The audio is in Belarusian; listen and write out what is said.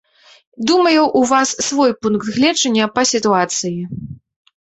Думаю, у вас свой пункт гледжання па сітуацыі.